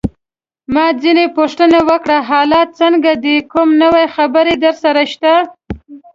ما ځینې پوښتنه وکړه: حالات څنګه دي؟ کوم نوی خبر درسره شته؟